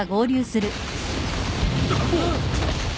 あっ！